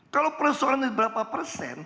kalau persoalan ini berapa persen